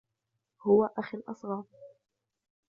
هو أخي الأصغر.